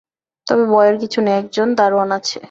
তবে ভয়ের কিছু নেই, একজন দারোয়ান আছে।